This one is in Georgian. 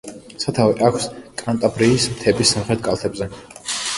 სათავე აქვს კანტაბრიის მთების სამხრეთ კალთებზე.